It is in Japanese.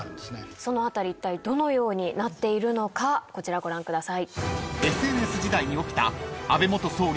その辺りいったいどのようになっているのかこちらご覧ください。